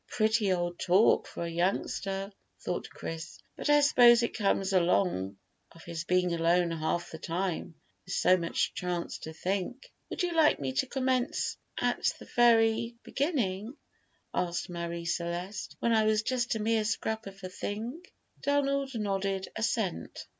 "Pretty old talk for a youngster," thought Chris; "but I suppose it comes along of his being alone half the time, with so much chance to think." "Would you like me to commence at the very beginning," asked Marie Celeste, "when I was just a mere scrap of a thing?" Donald nodded assent.